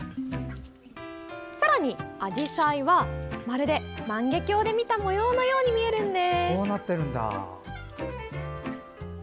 さらにアジサイはまるで万華鏡で見た模様のように見えるんです。